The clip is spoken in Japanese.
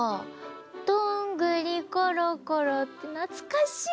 「どんぐりころころ」ってなつかしい！